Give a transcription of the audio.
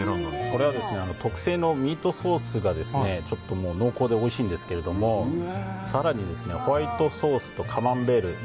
これは特製のミートソースが濃厚でおいしいんですけど更にホワイトソースとカマンベール。